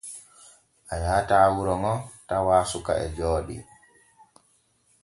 A yahataa wuro ŋo tawaa suka e jooɗii.